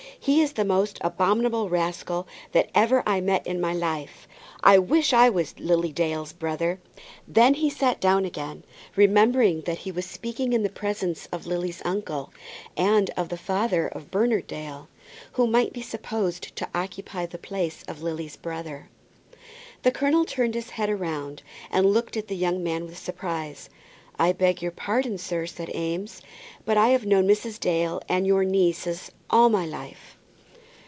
He is the most abominable rascal that ever I met in my life. I wish I was Lily Dale's brother." Then he sat down again, remembering that he was speaking in the presence of Lily's uncle, and of the father of Bernard Dale, who might be supposed to occupy the place of Lily's brother. The colonel turned his head round, and looked at the young man with surprise. "I beg your pardon, sir," said Eames, "but I have known Mrs. Dale and your nieces all my life."